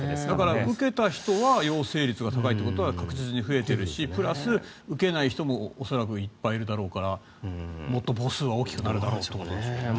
だから、受けた人は陽性率が高いということは確実に増えているしプラス受けない人も恐らくいっぱいいるだろうからもっと母数は大きくなるだろうってことでしょうね。